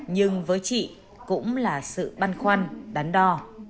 nhưng với chị cũng là sự băn khoăn đắn đo